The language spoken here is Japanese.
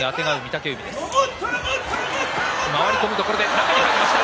中に入りました。